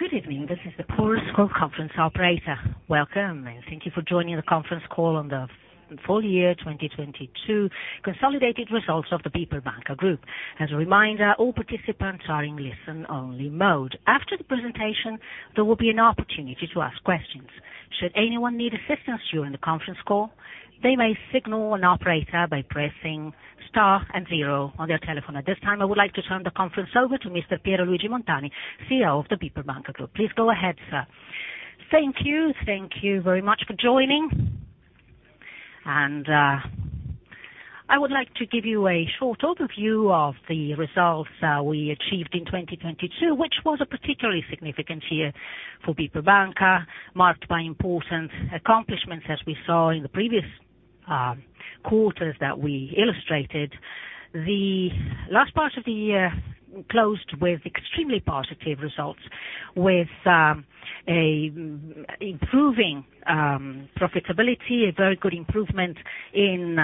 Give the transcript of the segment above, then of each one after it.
Good evening. This is the Chorus Call conference operator. Welcome, thank you for joining the conference call on the full year 2022 consolidated results of the BPER Banca Group. As a reminder, all participants are in listen-only mode. After the presentation, there will be an opportunity to ask questions. Should anyone need assistance during the conference call, they may signal an operator by pressing star zero on their telephone. At this time, I would like to turn the conference over to Mr. Piero Luigi Montani, CEO of the BPER Banca Group. Please go ahead, sir. Thank you. Thank you very much for joining. I would like to give you a short overview of the results we achieved in 2022, which was a particularly significant year for BPER Banca, marked by important accomplishments as we saw in the previous quarters that we illustrated. The last part of the year closed with extremely positive results, with a improving profitability, a very good improvement in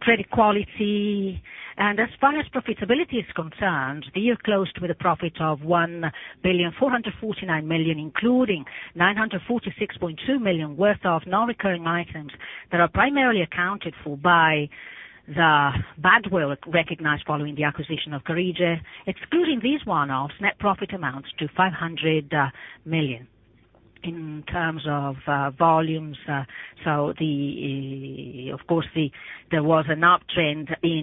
credit quality. As far as profitability is concerned, the year closed with a profit of 1,449 million, including 946.2 million worth of non-recurring items that are primarily accounted for by the badwill recognized following the acquisition of Carige. Excluding these one-offs, net profit amounts to 500 million. In terms of volumes, of course, there was an uptrend in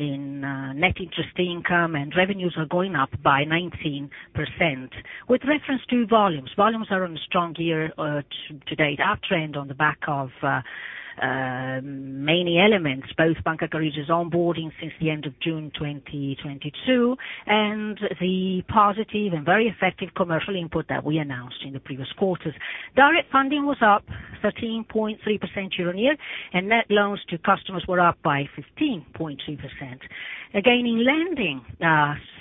Net Interest Income. Revenues are going up by 19%. With reference to volumes are on a strong year to date, uptrend on the back of many elements, both Banca Carige's onboarding since the end of June 2022 and the positive and very effective commercial input that we announced in the previous quarters. Direct funding was up 13.3% year-on-year, and net loans to customers were up by 15.2%. Again, in lending,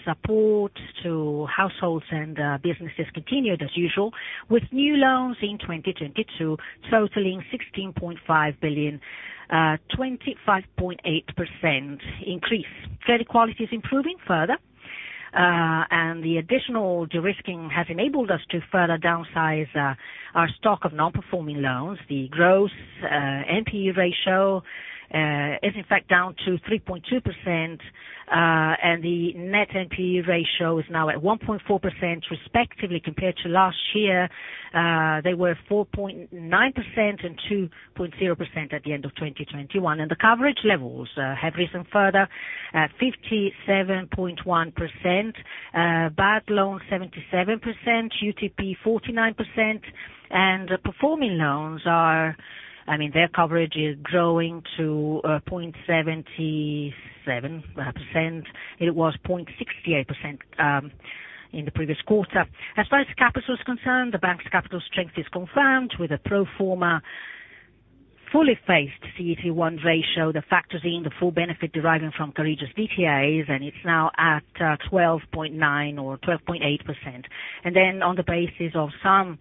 support to households and businesses continued as usual, with new loans in 2022 totaling EUR 16.5 billion, 25.8% increase. Credit quality is improving further, and the additional de-risking has enabled us to further downsize our stock of non-performing loans. The gross NPE ratio is in fact down to 3.2%, and the net NPE ratio is now at 1.4% respectively compared to last year, they were 4.9% and 2.0% at the end of 2021. The coverage levels have risen further at 57.1%, bad loans 77%, UTP 49%. Performing loans are... I mean, their coverage is growing to 0.77%. It was 0.68% in the previous quarter. As far as capital is concerned, the bank's capital strength is confirmed with a pro forma fully phased CET1 ratio that factors in the full benefit deriving from Carige's DTAs, and it's now at 12.9 or 12.8%. On the basis of some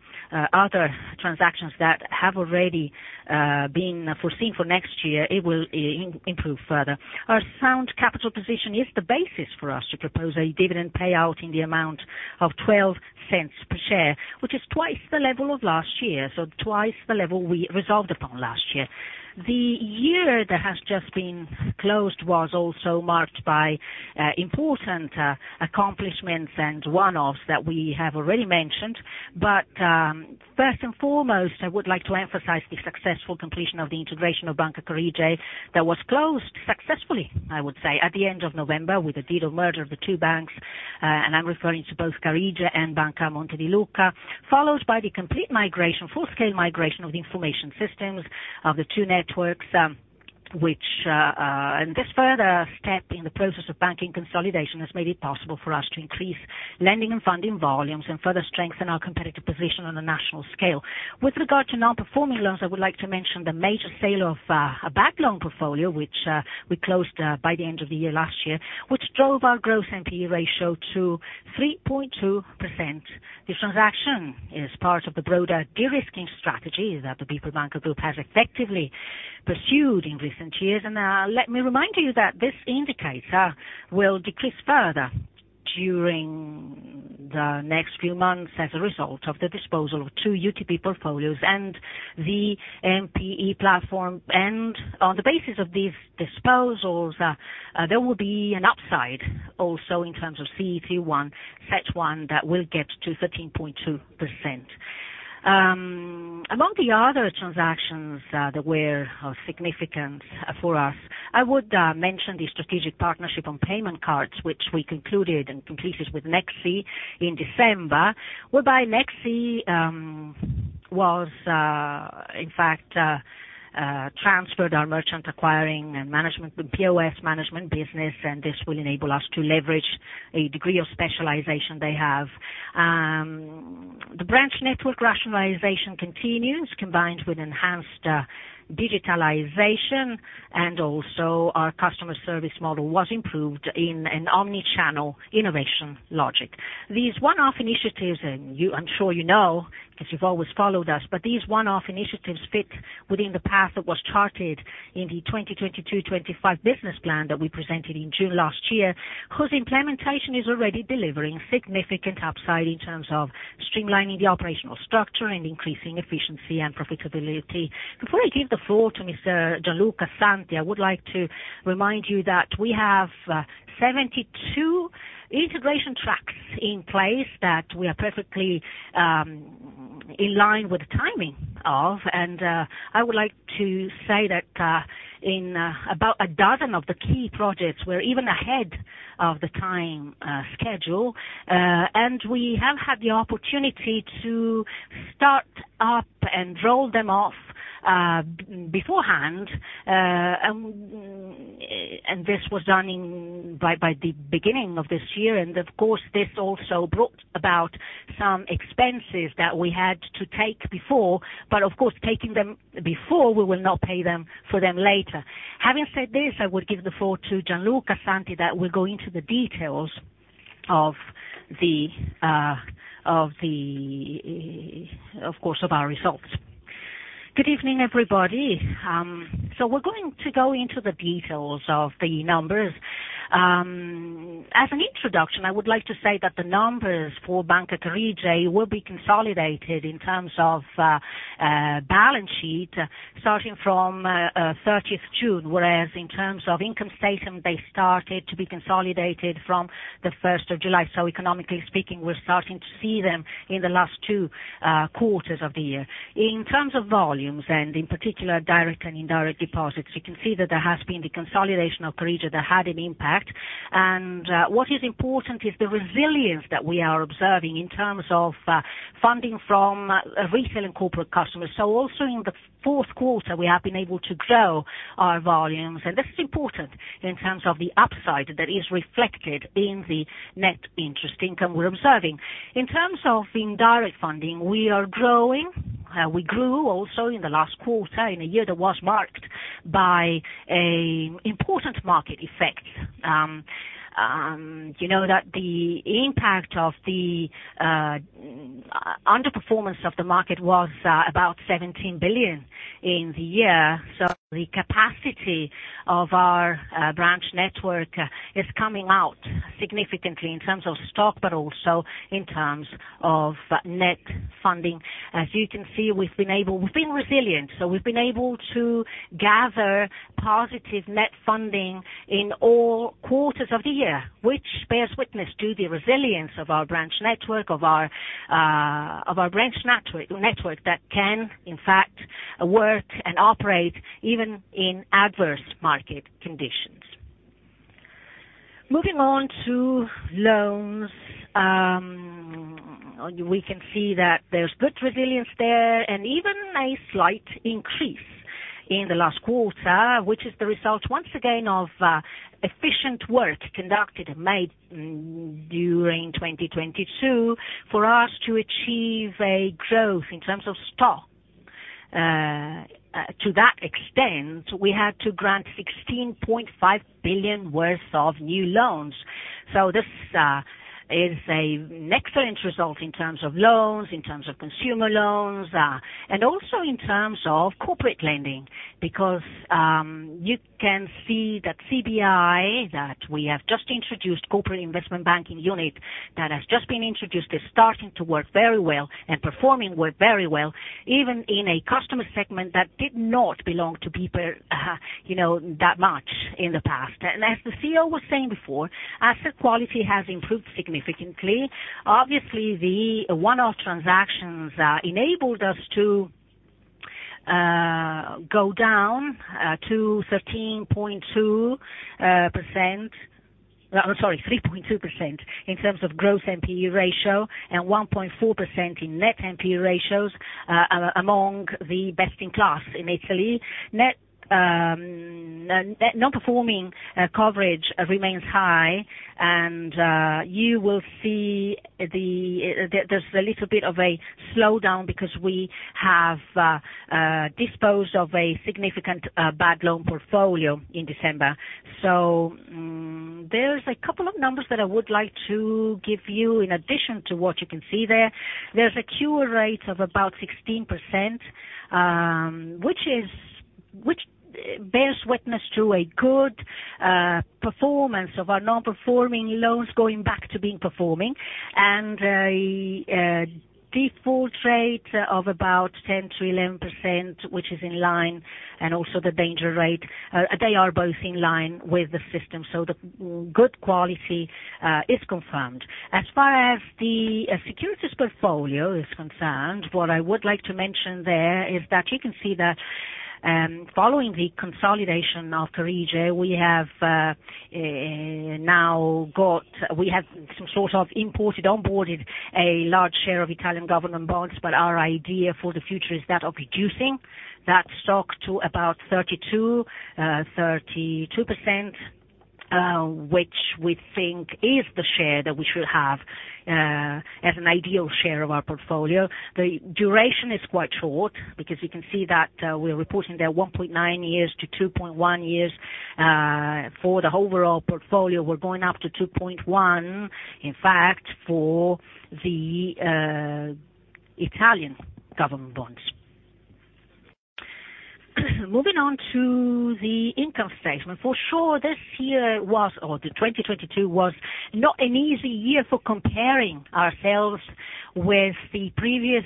other transactions that have already been foreseen for next year, it will improve further. Our sound capital position is the basis for us to propose a dividend payout in the amount of 0.12 per share, which is twice the level of last year, so twice the level we resolved upon last year. The year that has just been closed was also marked by important accomplishments and one-offs that we have already mentioned. First and foremost, I would like to emphasize the successful completion of the integration of Banca Carige that was closed successfully, I would say, at the end of November with the deed of merger of the two banks, and I'm referring to both Carige and Banca del Monte di Lucca, followed by the complete migration, full-scale migration of the information systems of the two networks. This further step in the process of banking consolidation has made it possible for us to increase lending and funding volumes and further strengthen our competitive position on a national scale. With regard to non-performing loans, I would like to mention the major sale of a bad loan portfolio, which we closed by the end of the year last year, which drove our gross NPE ratio to 3.2%. The transaction is part of the broader de-risking strategy that the BPER Banca Group has effectively pursued in recent years. Let me remind you that this indicator will decrease further during the next few months as a result of the disposal of two UTP portfolios and the NPE platform. On the basis of these disposals, there will be an upside also in terms of CET1, such one that will get to 13.2%. Among the other transactions that were of significance for us, I would mention the strategic partnership on payment cards, which we concluded and completed with Nexi in December, whereby Nexi was in fact transferred our merchant acquiring and management with POS management business, and this will enable us to leverage a degree of specialization they have. The branch network rationalization continues, combined with enhanced digitalization. Also our customer service model was improved in an omni-channel innovation logic. These one-off initiatives, and you, I'm sure you know, because you've always followed us, but these one-off initiatives fit within the path that was charted in the 2020 to 2025 business plan that we presented in June last year, whose implementation is already delivering significant upside in terms of streamlining the operational structure and increasing efficiency and profitability. Before I give the floor to Mr. Gian Luca Santi, I would like to remind you that we have 72 integration tracks in place that we are perfectly in line with the timing of, and I would like to say that in about 12 of the key projects, we're even ahead of the time schedule, and we have had the opportunity to start up and roll them off beforehand, and this was done by the beginning of this year. Of course, this also brought about some expenses that we had to take before, but of course, taking them before, we will not pay them, for them later. Having said this, I would give the floor to Gian Luca Santi that will go into the details of the of the, of course, of our results. Good evening, everybody. We're going to go into the details of the numbers. As an introduction, I would like to say that the numbers for Banca Carige will be consolidated in terms of balance sheet starting from thirtieth June, whereas in terms of income statement, they started to be consolidated from the first of July. Economically speaking, we're starting to see them in the last two quarters of the year. In terms of volumes and in particular direct and indirect deposits, you can see that there has been the consolidation of Carige that had an impact. What is important is the resilience that we are observing in terms of funding from retail and corporate customers. Also in the fourth quarter, we have been able to grow our volumes, and this is important in terms of the upside that is reflected in the net interest income we're observing. In terms of indirect funding, we are growing. We grew also in the last quarter in a important market effect. You know that the impact of the underperformance of the market was about 17 billion in the year. The capacity of our branch network is coming out significantly in terms of stock, but also in terms of net funding. As you can see, we've been able... We've been resilient, we've been able to gather positive net funding in all quarters of the year, which bears witness to the resilience of our branch network that can, in fact, work and operate even in adverse market conditions. Moving on to loans, we can see that there's good resilience there and even a slight increase in the last quarter, which is the result once again of efficient work conducted and made during 2022 for us to achieve a growth in terms of stock. To that extent, we had to grant 16.5 billion worth of new loans. This is a excellent result in terms of loans, in terms of consumer loans, and also in terms of corporate lending, because you can see that CBI that we have just introduced, corporate investment banking unit that has just been introduced, is starting to work very well and performing work very well, even in a customer segment that did not belong to people, you know, that much in the past. As the CEO was saying before, asset quality has improved significantly. Obviously, the one-off transactions enabled us to go down to 13.2%. I'm sorry, 3.2% in terms of gross NPE ratio and 1.4% in net NPE ratios among the best in class in Italy. Net non-performing coverage remains high. You will see there's a little bit of a slowdown because we have disposed of a significant bad loan portfolio in December. There's a couple of numbers that I would like to give you in addition to what you can see there. There's a cure rate of about 16%, which bears witness to a good performance of our non-performing loans going back to being performing, and a default rate of about 10%-11%, which is in line, and also the deterioration rate. They are both in line with the system. The good quality is confirmed. As far as the securities portfolio is concerned, what I would like to mention there is that you can see that, following the consolidation of Carige, we have now got, we have sort of imported, onboarded a large share of Italian government bonds, but our idea for the future is that of reducing that stock to about 32%, which we think is the share that we should have as an ideal share of our portfolio. The duration is quite short because you can see that, we're reporting there 1.9-2.1 years for the overall portfolio. We're going up to 2.1, in fact, for the Italian government bonds. Moving on to the income statement. For sure, this year or 2022 was not an easy year for comparing ourselves with the previous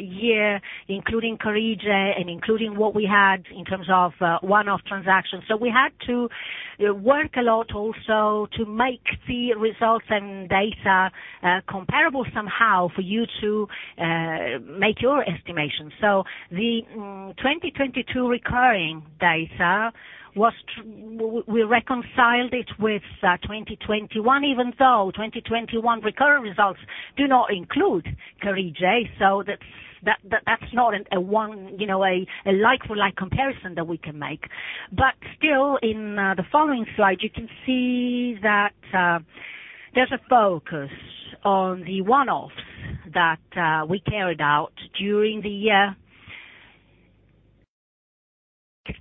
year, including Carige and including what we had in terms of one-off transactions. We had to work a lot also to make the results and data comparable somehow for you to make your estimations. The 2022 recurring data we reconciled it with 2021, even though 2021 recurring results do not include Carige. That's not a one, you know, a like-for-like comparison that we can make. Still, in the following slide, you can see that there's a focus on the one-offs that we carried out during the year.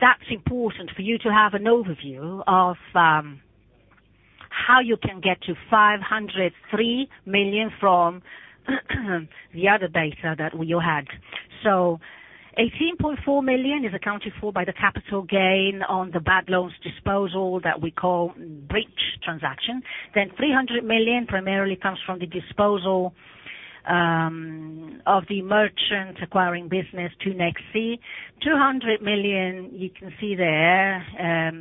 If that's important for you to have an overview of how you can get to 503 million from the other data that you had. 18.4 million is accounted for by the capital gain on the bad loans disposal that we call bridge transaction. 300 million primarily comes from the disposal of the merchant acquiring business to Nexi. 200 million you can see there,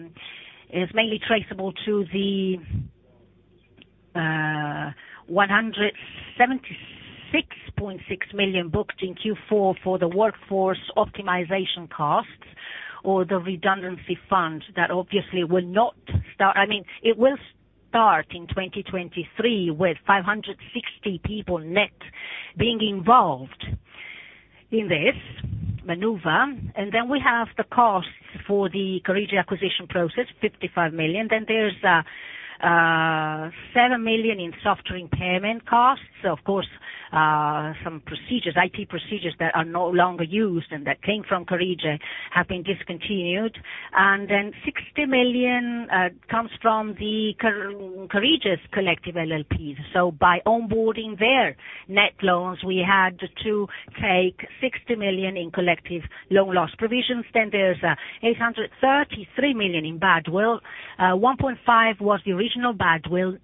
is mainly traceable to the 176.6 million booked in Q4 for the workforce optimization costs or the redundancy fund. That obviously will not start. I mean, it will start in 2023, with 560 people net being involved in this maneuver. We have the costs for the Carige acquisition process, 55 million. There's 7 million in software impairment costs. Of course, some procedures, IT procedures that are no longer used and that came from Carige have been discontinued. 60 million comes from the Carige's collective LLPs. By onboarding their net loans, we had to take 60 million in collective loan loss provisions. There's 833 million in badwill. 1.5 was the original badwill.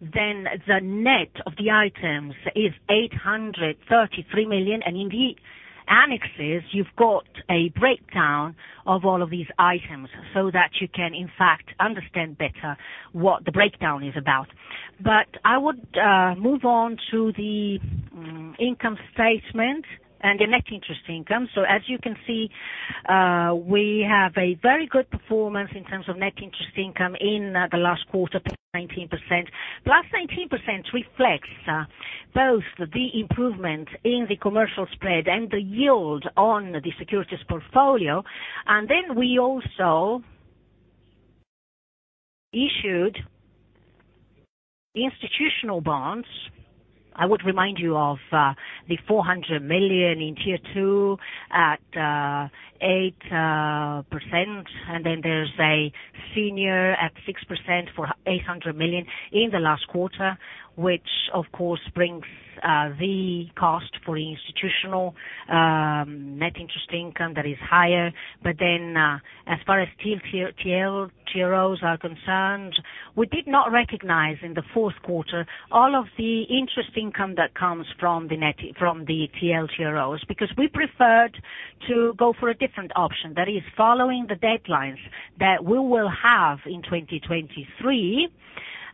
The net of the items is 833 million. In the annexes you've got a breakdown of all of these items so that you can in fact understand better what the breakdown is about. I would move on to the income statement and the net interest income. As you can see, we have a very good performance in terms of net interest income in the last quarter, +19%. Plus 19% reflects both the improvement in the commercial spread and the yield on the securities portfolio. We also issued the institutional bonds. I would remind you of the 400 million in Tier two at 8%, and then there's a senior at 6% for 800 million in the last quarter, which of course brings the cost for institutional net interest income that is higher. As far as TLTROs are concerned, we did not recognize in the fourth quarter all of the interest income that comes from the TLTROs, because we preferred to go for a different option that is following the deadlines that we will have in 2023.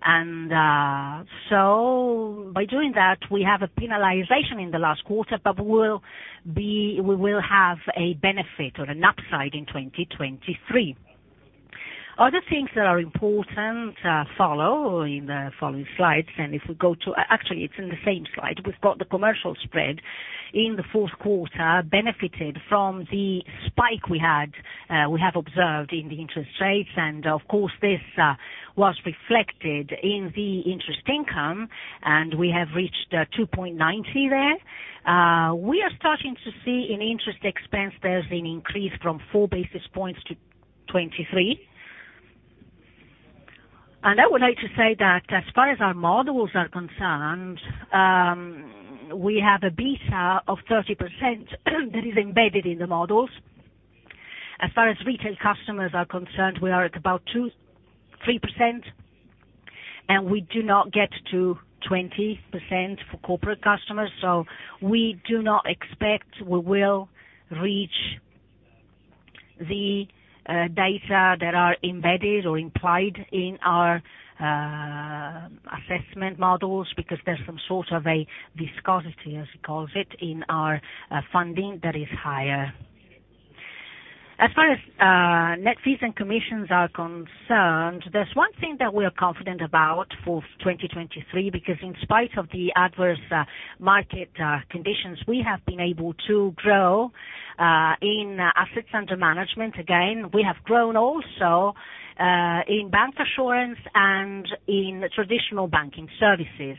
By doing that, we have a penalization in the last quarter, but we will have a benefit or an upside in 2023. Other things that are important follow in the following slides. If we go to... actually it's in the same slide. We've got the commercial spread in the fourth quarter benefited from the spike we had, we have observed in the interest rates. Of course, this was reflected in the interest income and we have reached 2.90 there. We are starting to see in interest expense, there's an increase from 4 basis points to 23. I would like to say that as far as our models are concerned, we have a beta of 30% that is embedded in the models. As far as retail customers are concerned, we are at about 2%, 3%, we do not get to 20% for corporate customers. We do not expect we will reach the data that are embedded or implied in our assessment models because there's some sort of a viscosity, as we calls it, in our funding that is higher. As far as net fees and commissions are concerned, there's one thing that we are confident about for 2023, in spite of the adverse market conditions, we have been able to grow in assets under management again. We have grown also in bank assurance and in traditional banking services.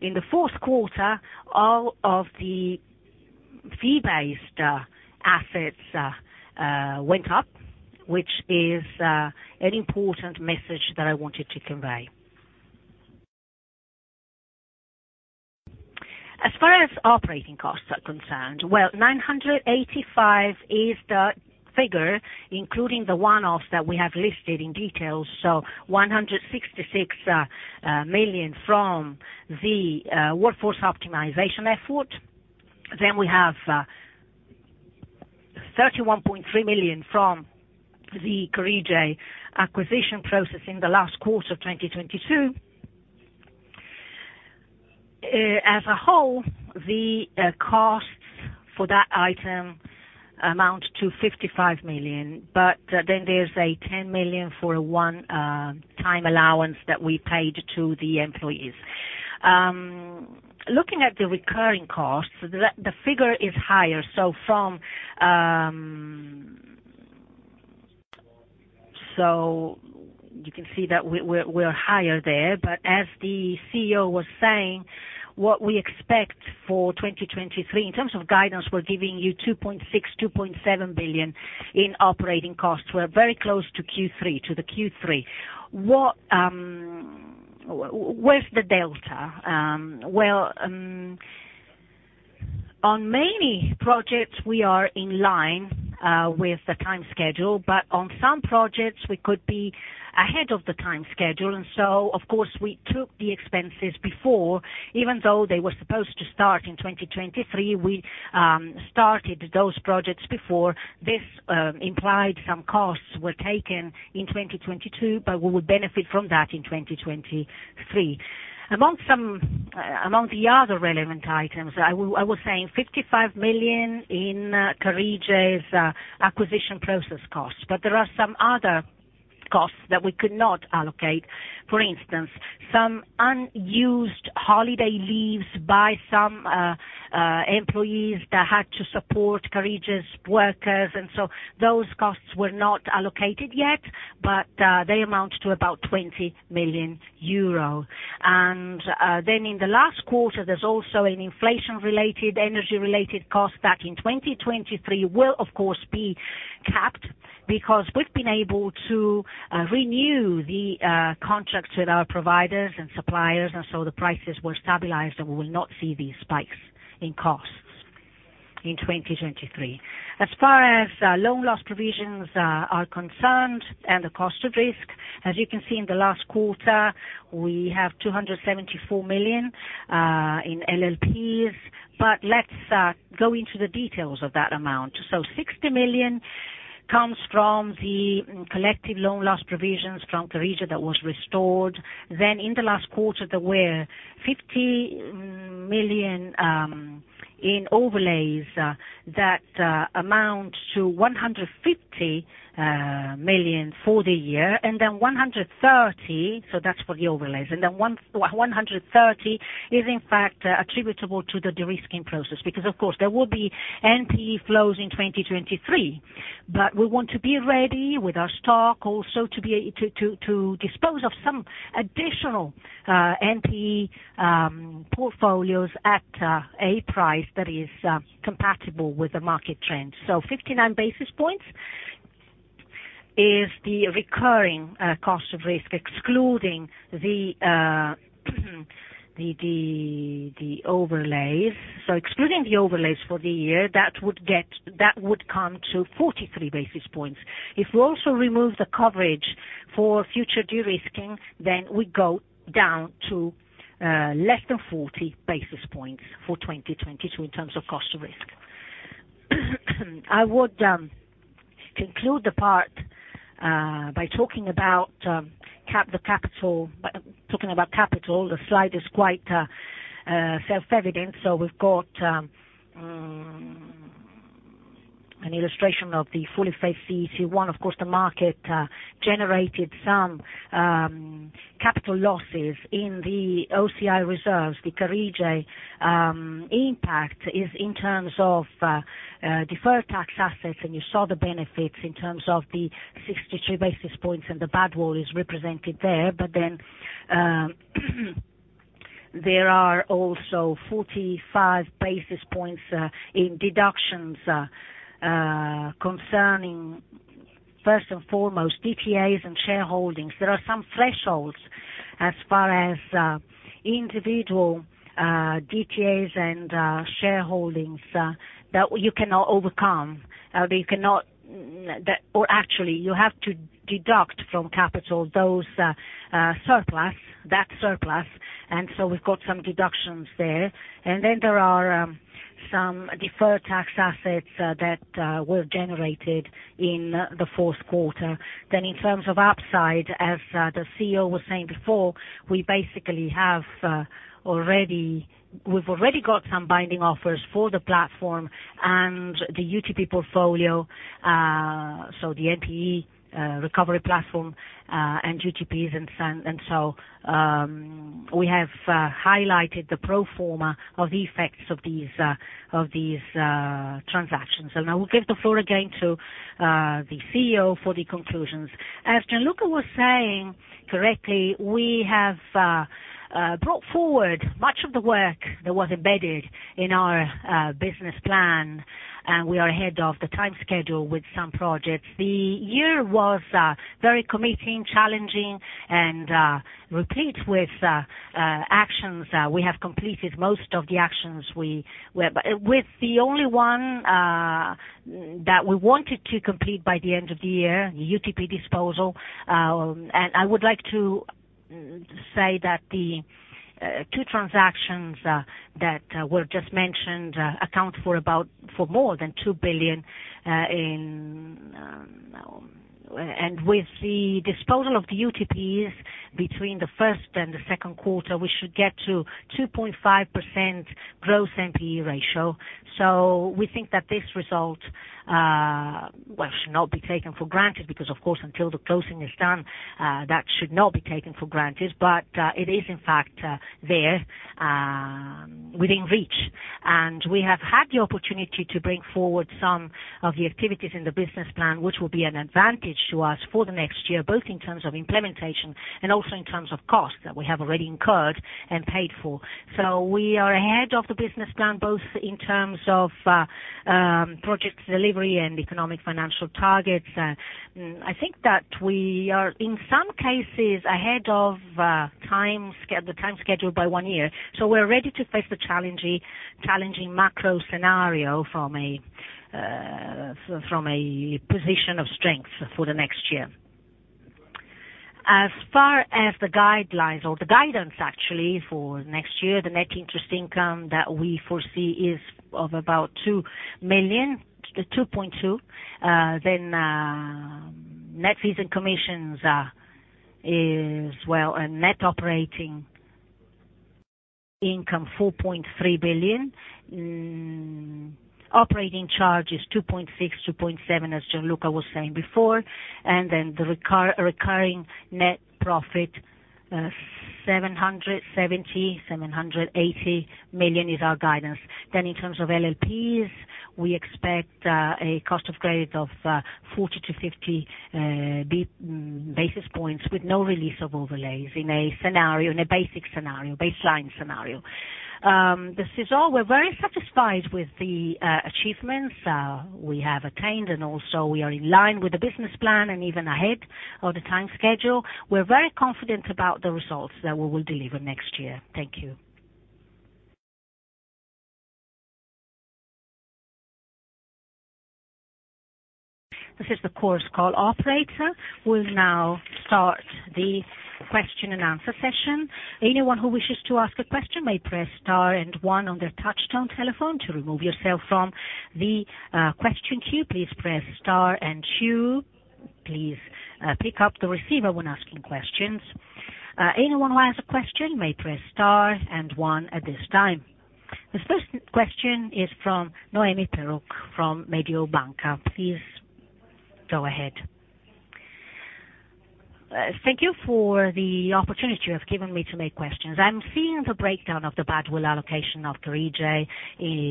In the fourth quarter, all of the fee-based assets went up, which is an important message that I wanted to convey. As far as operating costs are concerned, well, 985 is the figure, including the one-offs that we have listed in detail. 166 million from the workforce optimization effort. We have 31.3 million from the Carige acquisition process in the last quarter of 2022. As a whole, the costs for that item amount to 55 million, there's 10 million for a one time allowance that we paid to the employees. Looking at the recurring costs, the figure is higher. You can see that we're higher there. As the CEO was saying, what we expect for 2023, in terms of guidance, we're giving you 2.6 billion-2.7 billion in operating costs. We're very close to the Q3. What, where's the delta? On many projects, we are in line with the time schedule. On some projects we could be ahead of the time schedule. Of course, we took the expenses before, even though they were supposed to start in 2023, we started those projects before. This implied some costs were taken in 2022. We will benefit from that in 2023. Among some, among the other relevant items, I was saying 55 million in Carige's acquisition process costs. There are some other costs that we could not allocate. For instance, some unused holiday leaves by some employees that had to support Carige's workers. Those costs were not allocated yet. They amount to about 20 million euro. Then in the last quarter, there's also an inflation-related, energy-related cost that in 2023 will of course be capped because we've been able to renew the contracts with our providers and suppliers, the prices were stabilized, and we will not see these spikes in costs in 2023. As far as loan loss provisions are concerned and the cost of risk, as you can see in the last quarter, we have 274 million in LLPs. Let's go into the details of that amount. 60 million comes from the collective loan loss provisions from Carige that was restored. In the last quarter, there were 50 million in overlays that amount to 150 million for the year and 130 million. That's for the overlays. One, 130 is in fact attributable to the de-risking process, because of course there will be NPE flows in 2023. We want to be ready with our stock also to dispose of some additional NPE portfolios at a price that is compatible with the market trend. 59 basis points is the recurring cost of risk, excluding the overlays. Excluding the overlays for the year that would come to 43 basis points. If we also remove the coverage for future de-risking, we go down to less than 40 basis points for 2022 in terms of cost of risk. I would conclude the part by talking about capital. The slide is quite self-evident. We've got an illustration of the fully phased CET1. Of course, the market generated some capital losses in the OCI reserves. The Carige impact is in terms of Deferred Tax Assets, and you saw the benefits in terms of the 63 basis points, and the badwill is represented there. There are also 45 basis points in deductions concerning first and foremost DTAs and shareholdings. There are some thresholds as far as individual DTAs and shareholdings that you cannot overcome. Or actually, you have to deduct from capital those surplus, that surplus. We've got some deductions there. There are some Deferred Tax Assets that were generated in the fourth quarter. In terms of upside, as the CEO was saying before, we basically have already, we've already got some binding offers for the platform and the UTP portfolio. The NPE recovery platform and UTPs. We have highlighted the pro forma of the effects of these transactions. I will give the floor again to the CEO for the conclusions. As Gian Luca was saying correctly, we have brought forward much of the work that was embedded in our business plan, and we are ahead of the time schedule with some projects. The year was very committing, challenging, and replete with actions. We have completed most of the actions. With the only one that we wanted to complete by the end of the year, UTP disposal. I would like to say that the two transactions that were just mentioned account for more than 2 billion in, and with the disposal of the UTPs between the first and the second quarter, we should get to 2.5% gross NPE ratio. We think that this result, well, should not be taken for granted because, of course, until the closing is done, that should not be taken for granted. It is in fact, there, within reach. We have had the opportunity to bring forward some of the activities in the business plan, which will be an advantage to us for the next year, both in terms of implementation and also in terms of costs that we have already incurred and paid for. We are ahead of the business plan, both in terms of project delivery and economic financial targets. I think that we are, in some cases, ahead of the time schedule by one year. We're ready to face the challenging macro scenario from a position of strength for the next year. As far as the guidelines or the guidance actually for next year, the net interest income that we foresee is of about 2 million-2.2 million. Net fees and commissions are as well, and net operating income, 4.3 billion. Operating charge is 2.6 billion-2.7 billion, as Gian Luca was saying before. The recurring net profit, 770 million-780 million is our guidance. In terms of LLPs, we expect a cost of risk of 40-50 basis points with no release of overlays in a baseline scenario. This is all. We're very satisfied with the achievements we have attained and also we are in line with the business plan and even ahead of the time schedule. We're very confident about the results that we will deliver next year. Thank you. This is the Chorus Call operator. We'll now start the question and answer session. Anyone who wishes to ask a question may press star and one on their touchtone telephone. To remove yourself from the question queue, please press star and two. Please pick up the receiver when asking questions. Anyone who has a question may press star and one at this time. This first question is from Noemi Peruch from Mediobanca. Please go ahead. Thank you for the opportunity you have given me to make questions. I'm seeing the breakdown of the badwill allocation of Carige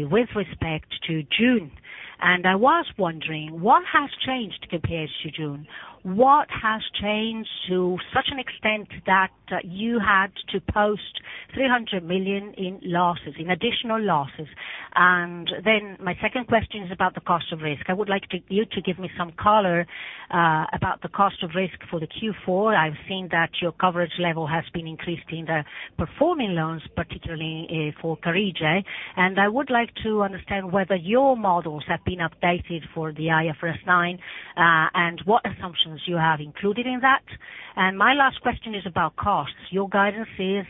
with respect to June. I was wondering what has changed compared to June? What has changed to such an extent that you had to post 300 million in losses, in additional losses? My second question is about the cost of risk. I would like to you to give me some color about the cost of risk for the Q4. I've seen that your coverage level has been increased in the performing loans, particularly, for Carige. I would like to understand whether your models have been updated for the IFRS 9, and what assumptions you have included in that. My last question is about costs. Your guidance is,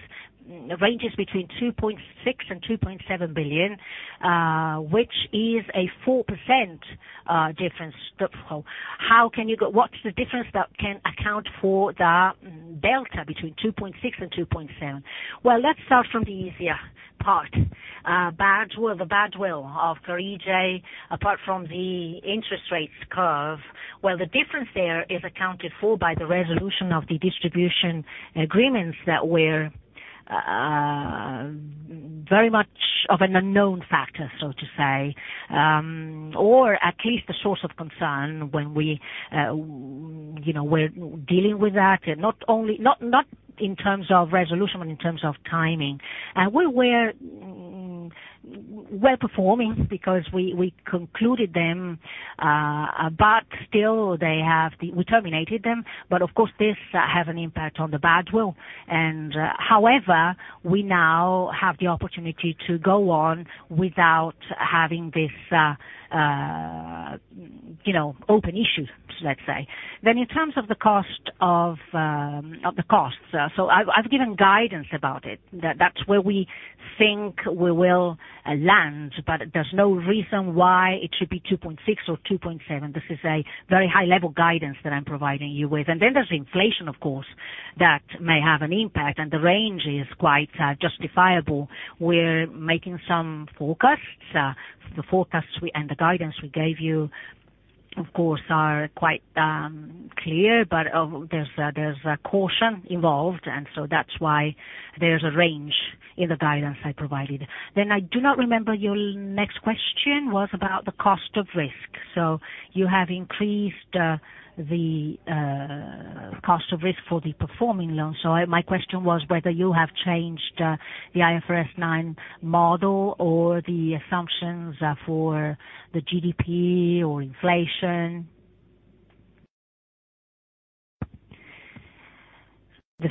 ranges between 2.6 billion and 2.7 billion, which is a 4% difference. What's the difference that can account for the delta between 2.6 and 2.7? Let's start from the easier part. Badwill. The badwill of Carige, apart from the interest rates curve, well, the difference there is accounted for by the resolution of the distribution agreements that were very much of an unknown factor, so to say, or at least a source of concern when we, you know, we're dealing with that, not only, not in terms of resolution, but in terms of timing. We were well-performing because we concluded them, but still We terminated them. Of course, this has an impact on the badwill. However, we now have the opportunity to go on without having this, you know, open issue, let's say. In terms of the costs. I've given guidance about it. That's where we think we will land. There's no reason why it should be 2.6 or 2.7. This is a very high level guidance that I'm providing you with. There's inflation, of course, that may have an impact, and the range is quite justifiable. We're making some forecasts. The guidance we gave you. Of course are quite clear, but there's a caution involved, that's why there's a range in the guidance I provided. I do not remember your next question was about the cost of risk. You have increased the cost of risk for the performing loan. My question was whether you have changed the IFRS 9 model or the assumptions for the GDP or inflation. The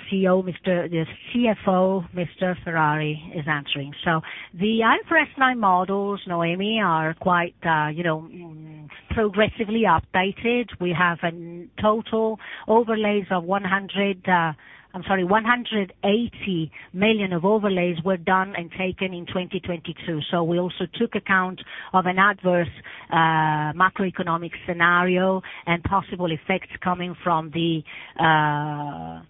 CFO, Mr. Ferrari, is answering. The IFRS 9 models, Noemi, are quite, you know, progressively updated. We have an total overlays of, I'm sorry, 180 million of overlays were done and taken in 2022. We also took account of an adverse macroeconomic scenario and possible effects coming from the, you know,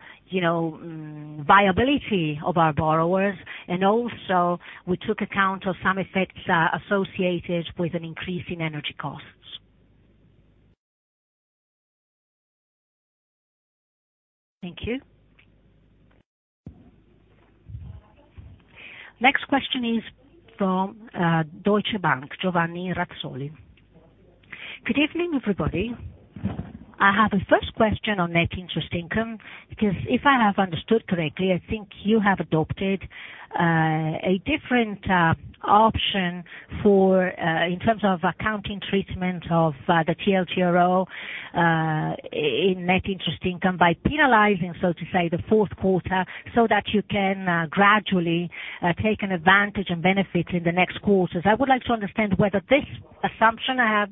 viability of our borrowers. Also we took account of some effects associated with an increase in energy costs. Thank you. Next question is from Deutsche Bank, Giovanni Razzoli. Good evening, everybody. I have a first question on net interest income, because if I have understood correctly, I think you have adopted a different option for in terms of accounting treatment of the TLTRO in net interest income by penalizing, so to say, the fourth quarter, so that you can gradually take an advantage and benefit in the next quarters. I would like to understand whether this assumption I have,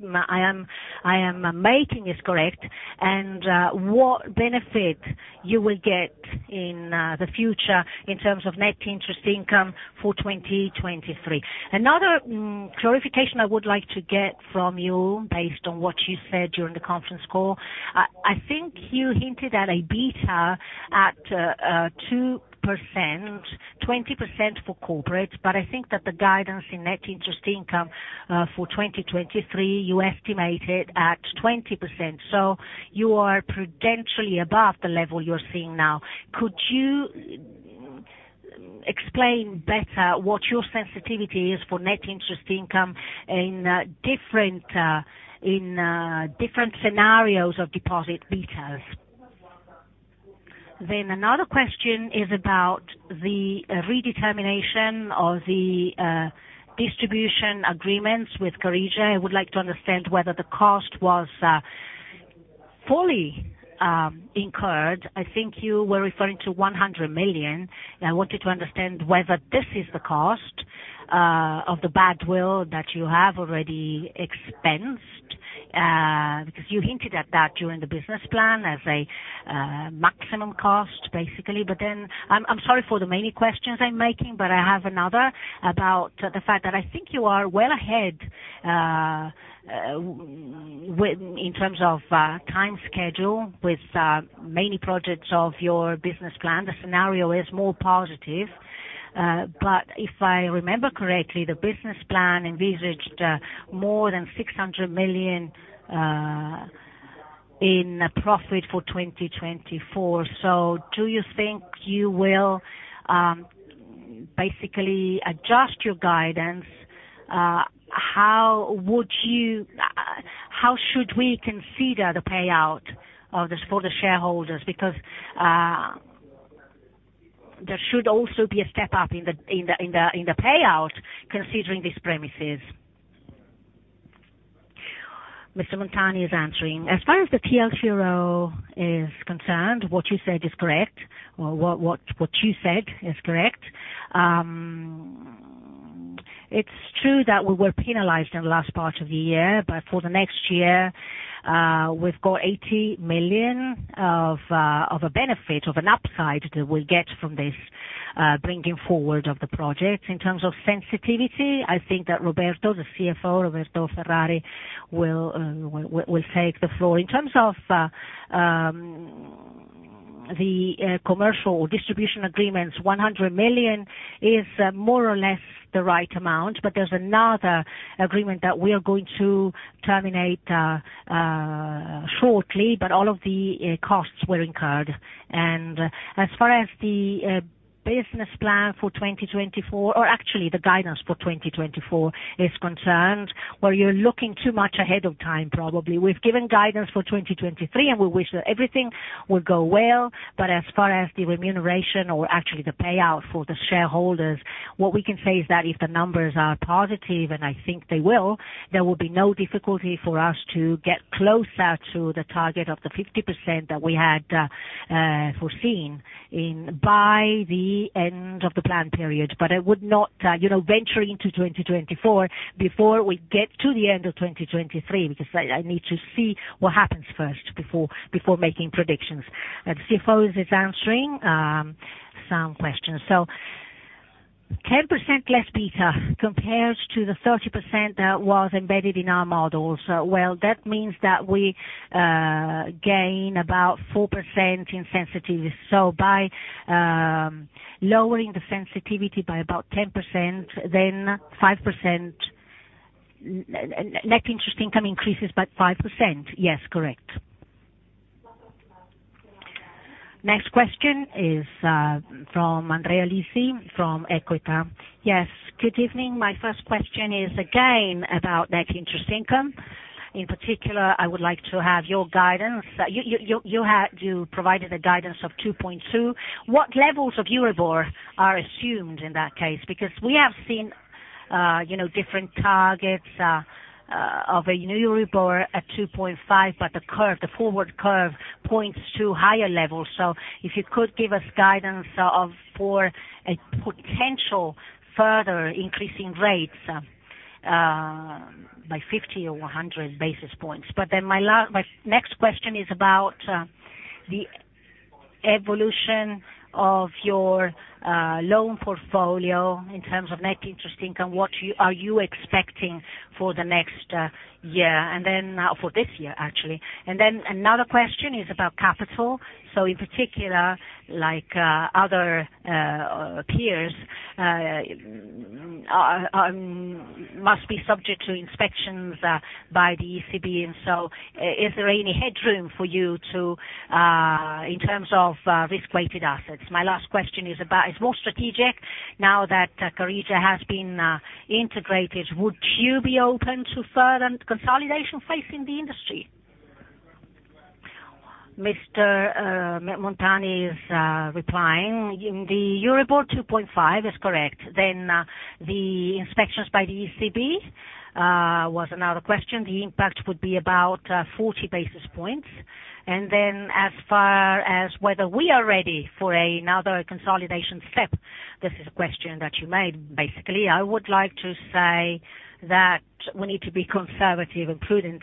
I am making is correct and what benefit you will get in the future in terms of net interest income for 2023. Another clarification I would like to get from you based on what you said during the conference call, I think you hinted at a beta at 2%, 20% for corporate, but I think that the guidance in net interest income for 2023, you estimate it at 20%, so you are prudentially above the level you're seeing now. Could you explain better what your sensitivity is for net interest income in different scenarios of deposit betas? Another question is about the redetermination of the distribution agreements with Carige. I would like to understand whether the cost was fully incurred. I think you were referring to 100 million. I want you to understand whether this is the cost of the badwill that you have already expensed because you hinted at that during the business plan as a maximum cost, basically. I'm sorry for the many questions I'm making, but I have another about the fact that I think you are well ahead in terms of time schedule with many projects of your business plan. The scenario is more positive. If I remember correctly, the business plan envisaged more than 600 million in profit for 2024. Do you think you will basically adjust your guidance? How should we consider the payout for the shareholders? There should also be a step up in the payout considering these premises. Mr. Montani is answering. As far as the TLTRO is concerned, what you said is correct. It's true that we were penalized in the last part of the year, but for the next year, we've got 80 million of a benefit, of an upside that we'll get from this bringing forward of the project. In terms of sensitivity, I think that Roberto, the CFO, Roberto Ferrari, will take the floor. In terms of the commercial distribution agreements, 100 million is more or less the right amount, but there's another agreement that we are going to terminate shortly, but all of the costs were incurred. As far as the business plan for 2024 or actually the guidance for 2024 is concerned, well, you're looking too much ahead of time, probably. We've given guidance for 2023, we wish that everything will go well. As far as the remuneration or actually the payout for the shareholders, what we can say is that if the numbers are positive, and I think they will, there will be no difficulty for us to get closer to the target of the 50% that we had foreseen by the end of the plan period. I would not, you know, venture into 2024 before we get to the end of 2023, because I need to see what happens first before making predictions. The CFO is answering some questions. 10% less beta compared to the 30% that was embedded in our models. That means that we gain about 4% in sensitivity. By lowering the sensitivity by about 10%, then 5%... Net interest income increases by 5%. Yes, correct. Next question is from Andrea Lisi from Equita. Yes. Good evening. My first question is again about net interest income. In particular, I would like to have your guidance. You provided a guidance of 2.2. What levels of Euribor are assumed in that case? We have seen, you know, different targets of a new Euribor at 2.5, but the curve, the forward curve points to higher levels. If you could give us guidance of, for a potential further increasing rates, by 50 or 100 basis points. My next question is about the evolution of your loan portfolio in terms of net interest income. Are you expecting for the next year, for this year, actually. Another question is about capital. In particular, like other peers, must be subject to inspections by the ECB. Is there any headroom for you in terms of risk-weighted assets? My last question is more strategic. Now that Carige has been integrated, would you be open to further consolidation facing the industry? Mr. Montani is replying. In the Euribor 2.5 is correct. The inspections by the ECB was another question. The impact would be about 40 basis points. As far as whether we are ready for another consolidation step, this is a question that you made, basically. I would like to say that we need to be conservative and prudent.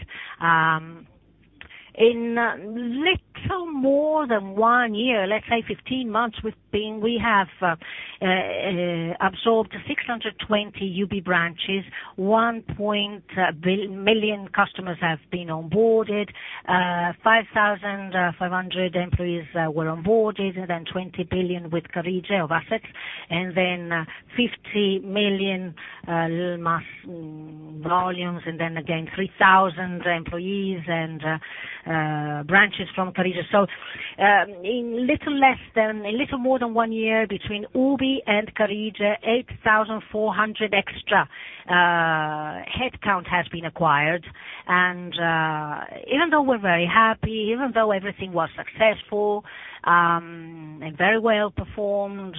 In little more than one year, let's say 15 months, we have absorbed 620 UBI branches, 1 point bi- million customers have been onboarded, 5,500 employees were onboarded, and then 20 billion with Carige of assets, and then 50 million mass volumes, and then again, 3,000 employees and branches from Carige. In little more than one year between UBI and Carige, 8,400 extra headcount has been acquired. Even though we're very happy, even though everything was successful, and very well performed,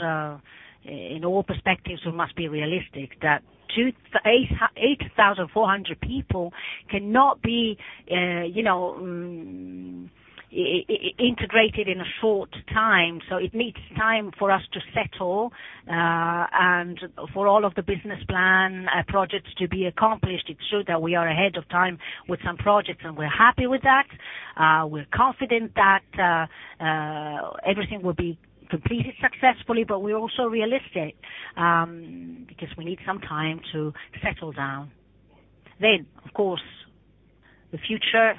in all perspectives, we must be realistic that 2,800 people cannot be, you know, integrated in a short time. It needs time for us to settle, and for all of the business plan projects to be accomplished. It's true that we are ahead of time with some projects, and we're happy with that. We're confident that everything will be completed successfully, but we're also realistic, because we need some time to settle down. Of course, the future,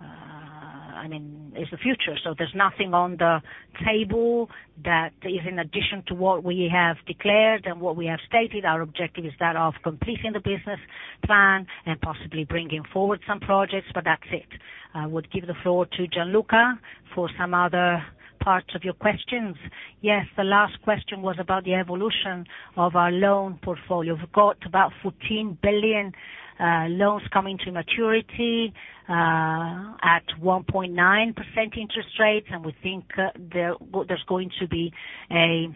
I mean, is the future. There's nothing on the table that is in addition to what we have declared and what we have stated. Our objective is that of completing the business plan and possibly bringing forward some projects, but that's it. I would give the floor to Gian Luca for some other parts of your questions. The last question was about the evolution of our loan portfolio. We've got about 14 billion loans coming to maturity at 1.9% interest rates, and we think there's going to be an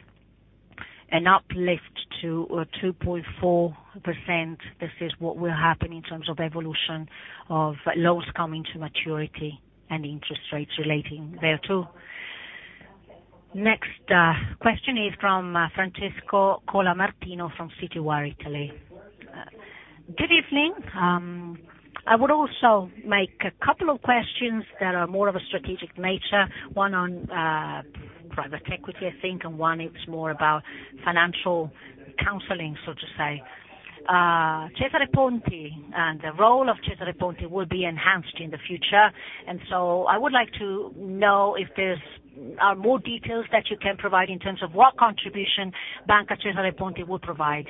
uplift to 2.4%. This is what will happen in terms of evolution of loans coming to maturity and interest rates relating thereto. Next question is from Francesco Colamartino from Citywire Italia. Good evening. I would also make a couple of questions that are more of a strategic nature, one on private equity, I think, and one is more about financial counseling, so to say. Cesare Ponti and the role of Cesare Ponti will be enhanced in the future. I would like to know if there are more details that you can provide in terms of what contribution Banca Cesare Ponti will provide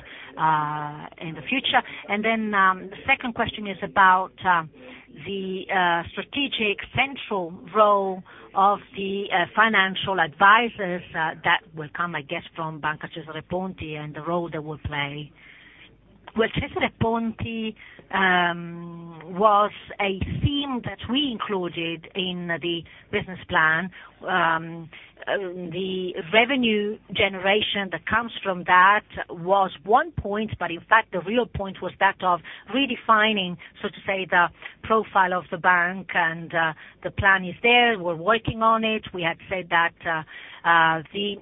in the future. The second question is about the strategic central role of the financial advisors that will come, I guess, from Banca Cesare Ponti and the role they will play. Cesare Ponti was a theme that we included in the business plan. The revenue generation that comes from that was one point, but in fact, the real point was that of redefining, so to say, the profile of the bank and the plan is there. We're working on it. We had said that the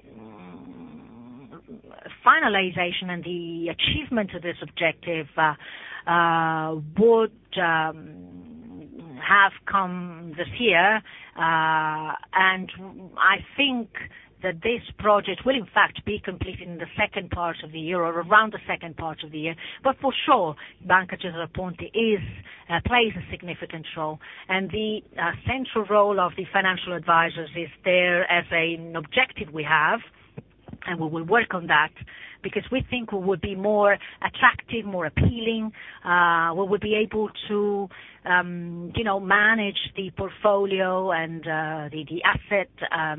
finalization and the achievement of this objective would have come this year. I think that this project will in fact be completed in the second part of the year or around the second part of the year. For sure, Banca Cesare Ponti is plays a significant role. The central role of the financial advisors is there as an objective we have. We will work on that because we think we would be more attractive, more appealing, we would be able to, you know, manage the portfolio and the asset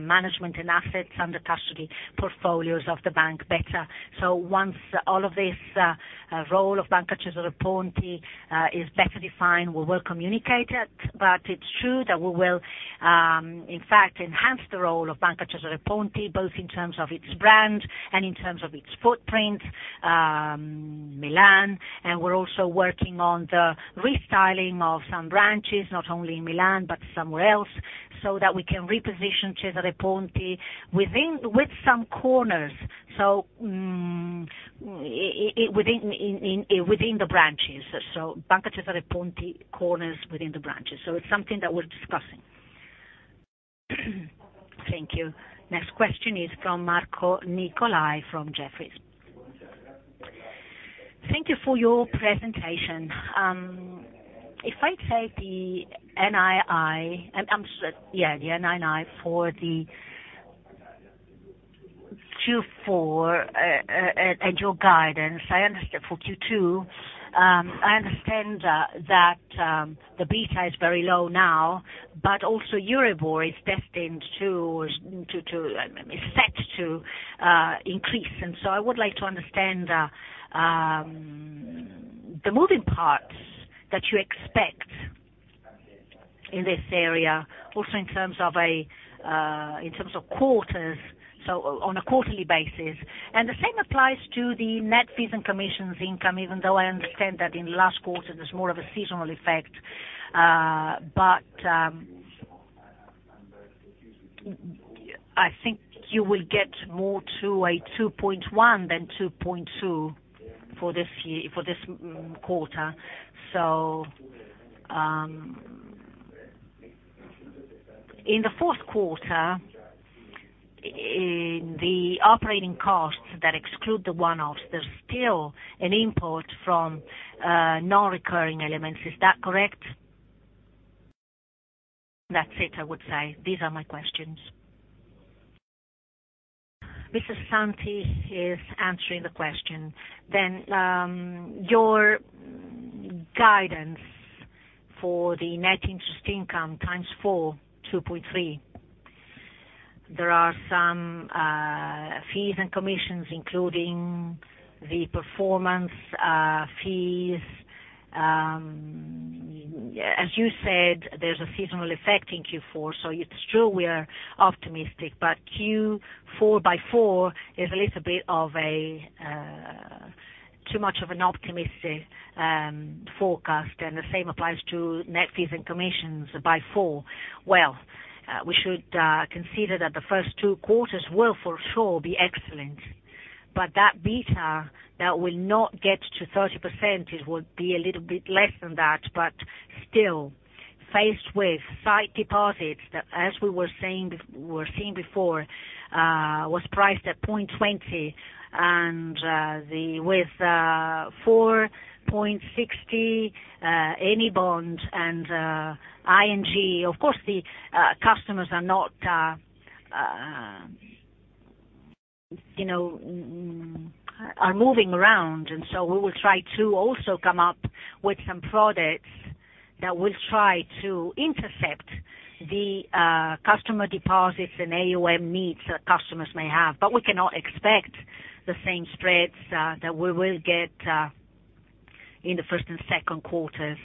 management and assets under custody portfolios of the bank better. Once all of this role of Banca Cesare Ponti is better defined, we will communicate it. It's true that we will, in fact, enhance the role of Banca Cesare Ponti, both in terms of its brand and in terms of its footprint, Milan. We're also working on the restyling of some branches, not only in Milan, but somewhere else, so that we can reposition Cesare Ponti with some corners. Within the branches. Banca Cesare Ponti corners within the branches. It's something that we're discussing. Thank you. Next question is from Marco Nicolai from Jefferies. Thank you for your presentation. If I take the NII, and I'm sure, yeah, the NII for the Q4, and your guidance, I understand for Q2, I understand that the beta is very low now, but also Euribor is destined to, is set to increase. I would like to understand the moving parts that you expect in this area, also in terms of a, in terms of quarters, so on a quarterly basis. The same applies to the net fees and commissions income, even though I understand that in the last quarter there's more of a seasonal effect. But I think you will get more to a 2.1 than 2.2 for this year-- for this quarter. In the fourth quarter, in the operating costs that exclude the one-offs, there's still an input from non-recurring elements. Is that correct? That's it, I would say. These are my questions. Mr. Santi is answering the question. Your guidance for the net interest income 4x, 2.3. There are some fees and commissions, including the performance fees. As you said, there's a seasonal effect in Q4, it's true we are optimistic. Q4 4x is a little bit of a too much of an optimistic forecast, and the same applies to net fees and commissions 4x. We should consider that the first 2 quarters will for sure be excellent. That beta that will not get to 30%, it will be a little bit less than that. Still, faced with site deposits that, as we were seeing before, was priced at 0.20 and, with 4.60, any bonds and ING. The customers are not, you know, are moving around. We will try to also come up with some products that will try to intercept the customer deposits and AUM needs that customers may have. We cannot expect the same spreads that we will get in the first and second quarters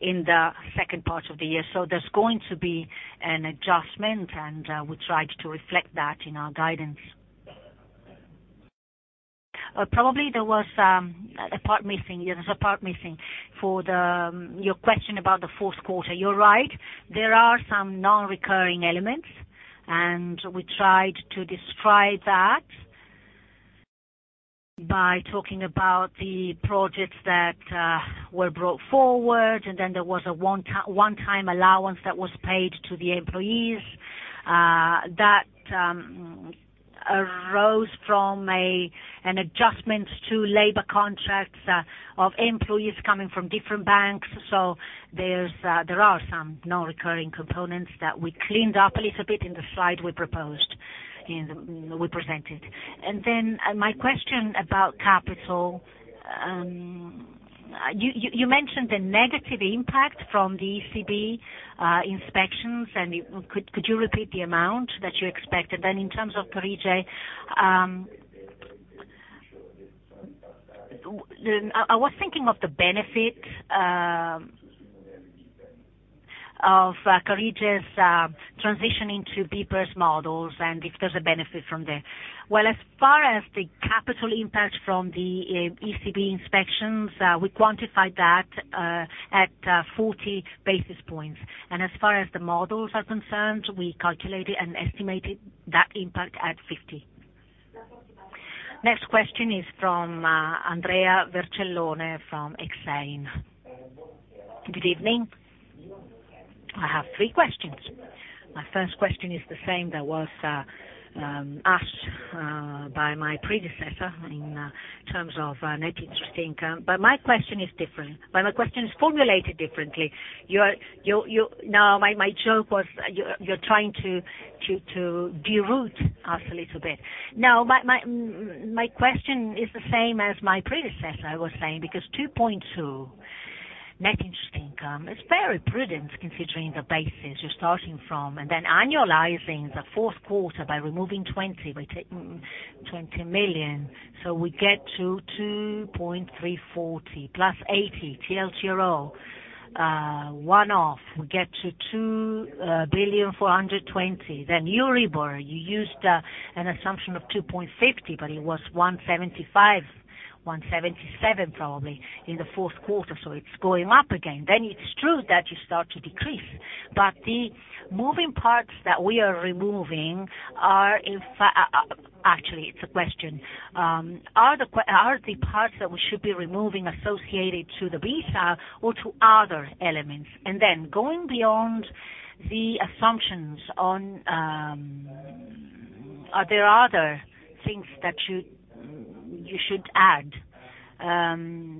in the second part of the year. There's going to be an adjustment, and we tried to reflect that in our guidance. Probably there was a part missing. Yes, a part missing for the your question about the fourth quarter. You're right, there are some non-recurring elements, and we tried to describe that by talking about the projects that were brought forward. Then there was a one-time allowance that was paid to the employees that arose from an adjustment to labor contracts of employees coming from different banks. There are some non-recurring components that we cleaned up a little bit in the slide we proposed in the we presented. Then my question about capital. You mentioned the negative impact from the ECB inspections. Could you repeat the amount that you expected? In terms of Carige, I was thinking of the benefit of Carige's transitioning to B plus models and if there's a benefit from there. Well, as far as the capital impact from the ECB inspections, we quantified that at 40 basis points. As far as the models are concerned, we calculated and estimated that impact at 50. Next question is from Andrea Vercellone from Exane. Good evening. Three questions. My first question is the same that was asked by my predecessor in terms of net interest income. My question is formulated differently. No, my joke was you're trying to de-root us a little bit. My question is the same as my predecessor was saying, because 2.2 net interest income is very prudent considering the basis you're starting from. Annualizing the fourth quarter by removing 20, we take 20 million, we get to 2.340 plus 80 TLTRO one-off, we get to 2.42 billion. Euribor, you used an assumption of 2.50, but it was 1.75, 1.77 probably in the fourth quarter, it's going up again. It's true that you start to decrease. The moving parts that we are removing are actually, it's a question. Are the parts that we should be removing associated to the Visa or to other elements? Going beyond the assumptions on, are there other things that you should add?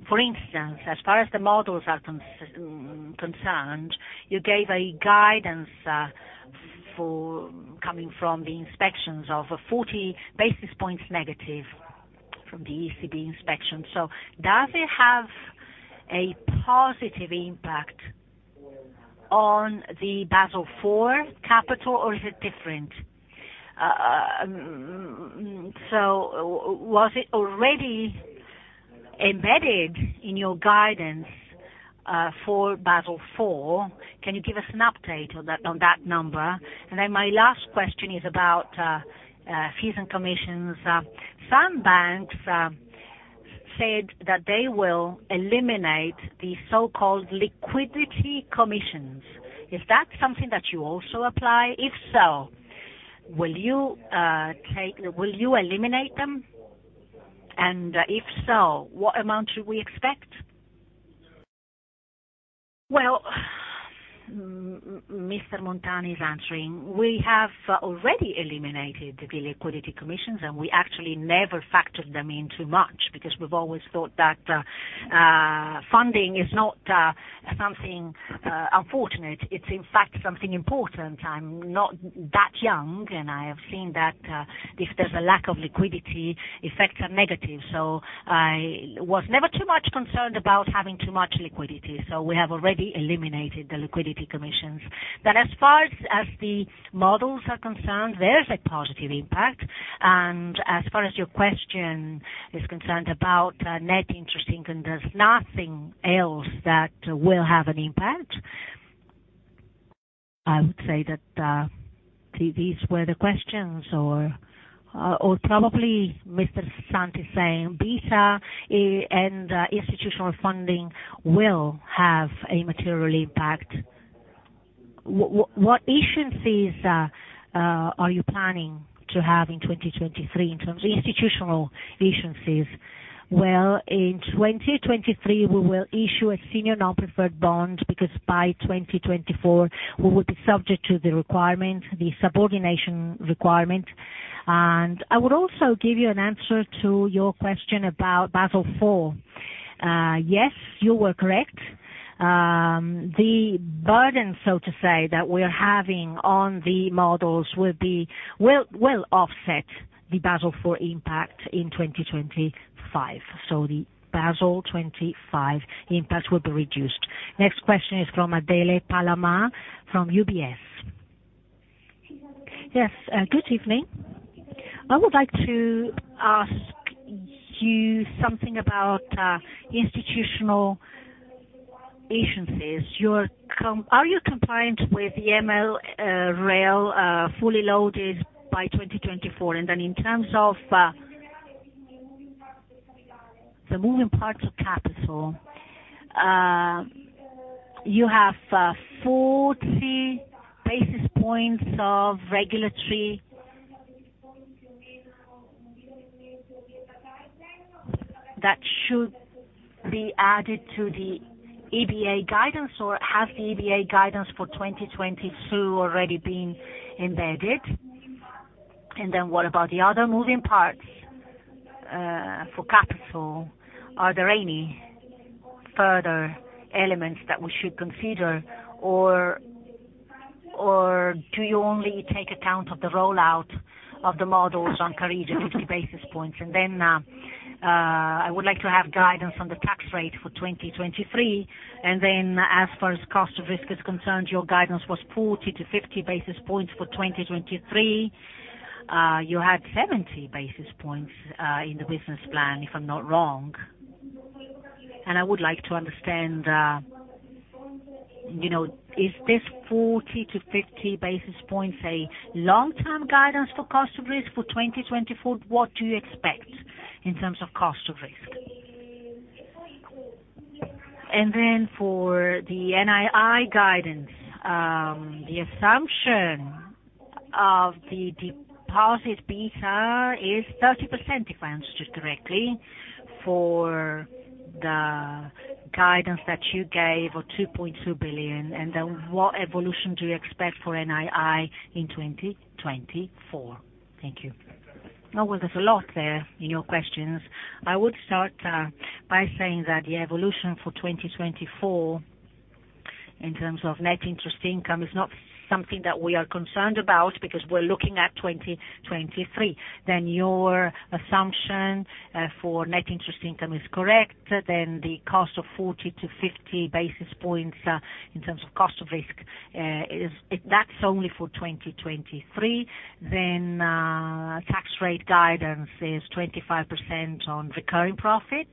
For instance, as far as the models are concerned, you gave a guidance for coming from the inspections of a 40 basis points negative from the ECB inspection. Does it have a positive impact on the Basel IV capital, or is it different? Was it already embedded in your guidance for Basel IV? Can you give us an update on that, on that number? My last question is about fees and commissions. Some banks said that they will eliminate the so-called liquidity commissions. Is that something that you also apply? If so, will you eliminate them? If so, what amount should we expect? Well, Mr. Montani is answering. We have already eliminated the liquidity commissions, we actually never factored them in too much because we've always thought that funding is not something unfortunate. It's in fact something important. I'm not that young, I have seen that if there's a lack of liquidity, effects are negative. I was never too much concerned about having too much liquidity, we have already eliminated the liquidity commissions. As far as the models are concerned, there's a positive impact. As far as your question is concerned about net interest income, there's nothing else that will have an impact. I would say that these were the questions or probably Mr. Santi is saying Visa and institutional funding will have a material impact. What issuance fees are you planning to have in 2023 in terms of institutional issuance fees? Well, in 2023, we will issue a senior non-preferred bond because by 2024, we will be subject to the requirement, the subordination requirement. I would also give you an answer to your question about Basel IV. Yes, you were correct. The burden, so to say, that we are having on the models will offset the Basel IV impact in 2025. The Basel 25 impact will be reduced. Next question is from Adele Palama from UBS. Yes, good evening. I would like to ask you something about institutional agencies. Are you compliant with the MREL rail fully loaded by 2024? In terms of the moving parts of capital, you have 40 basis points of regulatory that should be added to the EBA guidance or has the EBA guidance for 2022 already been embedded? What about the other moving parts for capital? Are there any further elements that we should consider or do you only take account of the rollout of the models on Carnegie 50 basis points? I would like to have guidance on the tax rate for 2023. As far as cost of risk is concerned, your guidance was 40 to 50 basis points. For 2023, you had 70 basis points in the business plan, if I'm not wrong. I would like to understand, you know, is this 40-50 basis points a long-term guidance for cost of risk for 2024? What do you expect in terms of cost of risk? For the NII guidance, the assumption of the deposit beta is 30%, if I understood correctly, for the guidance that you gave of 2.2 billion. What evolution do you expect for NII in 2024?Thank you. Well, there's a lot there in your questions. I would start by saying that the evolution for 2024, in terms of net interest income, is not something that we are concerned about because we're looking at 2023. Your assumption for net interest income is correct. The cost of 40-50 basis points in terms of cost of risk is... That's only for 2023. Tax rate guidance is 25% on recurring profit.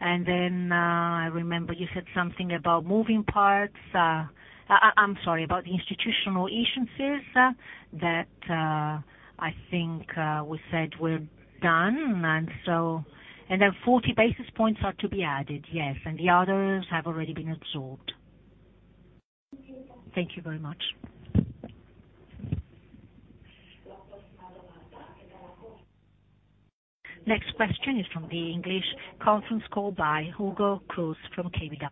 I remember you said something about moving parts. I'm sorry, about the institutional issuances that I think we said were done. 40 basis points are to be added. Yes. The others have already been absorbed. Thank you very much. Next question is from the English conference call by Hugo Cruz from KBW.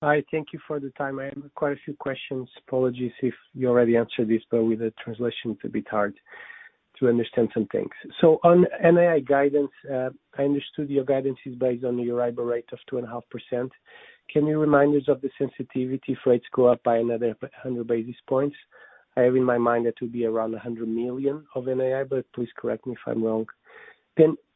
Hi. Thank you for the time. I have quite a few questions. Apologies if you already answered this, with the translation it's a bit hard to understand some things. On NII guidance, I understood your guidance is based on the arrival rate of 2.5%. Can you remind us of the sensitivity if rates go up by another 100 basis points? I have in my mind it would be around 100 million of NII, please correct me if I'm wrong.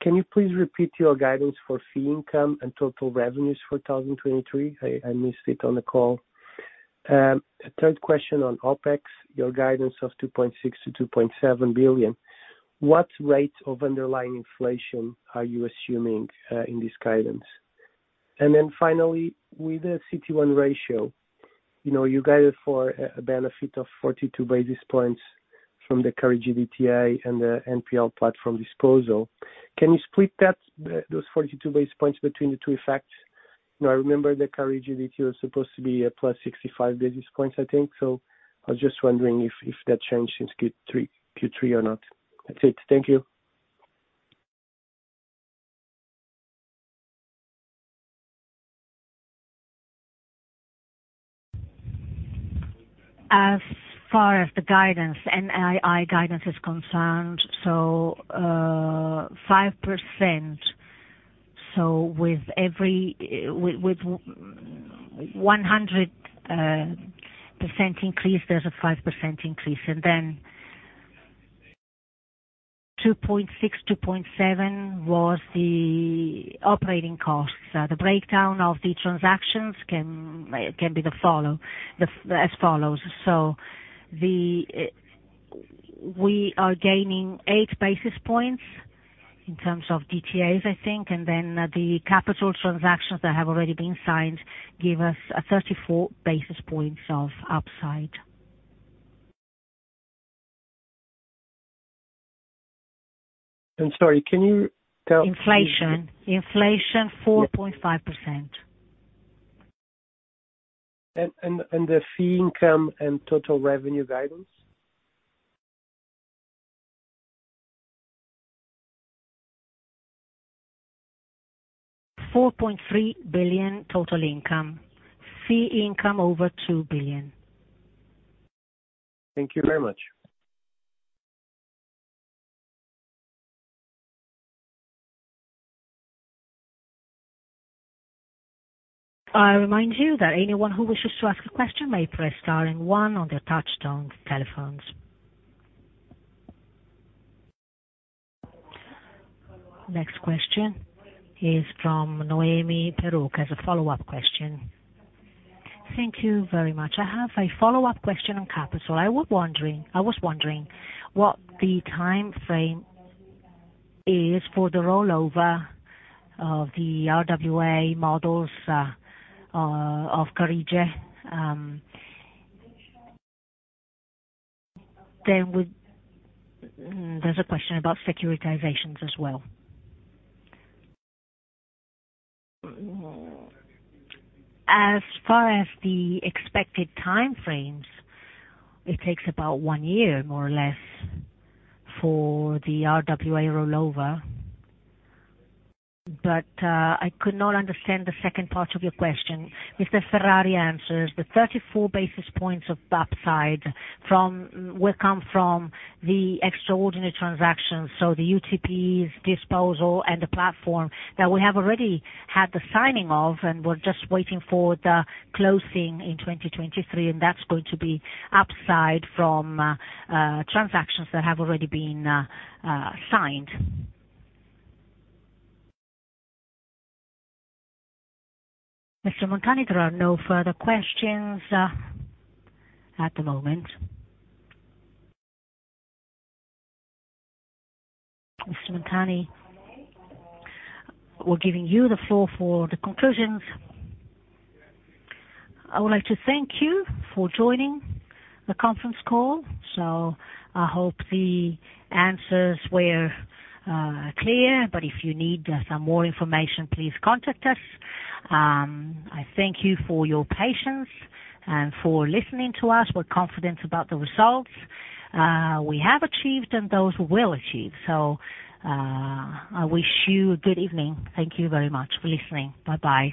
Can you please repeat your guidance for fee income and total revenues for 2023? I missed it on the call. Third question on OpEx, your guidance of 2.6 billion-2.7 billion. What rate of underlying inflation are you assuming in this guidance? Finally, with the CT1 ratio, you know, you guided for a benefit of 42 basis points from the Carige DTA and the NPL platform disposal. Can you split that, those 42 basis points between the two effects? I remember the Carige DTA was supposed to be a plus 65 basis points, I think. I was just wondering if that changed since Q3 or not. That's it. Thank you. As far as the guidance, NII guidance is concerned, 5%. With every 100% increase, there's a 5% increase. 2.6%-2.7% was the operating costs. The breakdown of the transactions can be as follows. We are gaining 8 basis points in terms of DTAs, I think, and then the capital transactions that have already been signed give us a 34 basis points of upside. I'm sorry, can you? Inflation. Inflation, 4.5%. The fee income and total revenue guidance. 4.3 billion total income. Fee income over 2 billion. Thank you very much. I remind you that anyone who wishes to ask a question may press star and one on their touchtone telephones. Next question is from Noemi Peruch, a follow-up question. Thank you very much. I have a follow-up question on capital. I was wondering what the timeframe is for the rollover of the RWA models of Carige. There's a question about securitizations as well. As far as the expected time frames, it takes about 1 year, more or less, for the RWA rollover. I could not understand the second part of your question. Mr. Ferrari answers the 34 basis points of upside from, will come from the extraordinary transactions. The UTP's disposal and the platform that we have already had the signing of and we're just waiting for the closing in 2023, and that's going to be upside from transactions that have already been signed. Mr. Montani, there are no further questions at the moment. Mr. Montani, we're giving you the floor for the conclusions. I would like to thank you for joining the conference call. I hope the answers were clear. If you need some more information, please contact us. I thank you for your patience and for listening to us. We're confident about the results we have achieved and those we'll achieve. I wish you a good evening. Thank you very much for listening. Bye-bye.